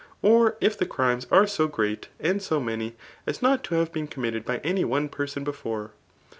Or if the crimes ati^ so freat, and so many, as not to have been cojounktei^ by any coe person before.